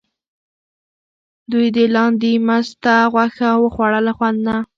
دوی د لاندي مسته غوښه وخوړه له خوند نه.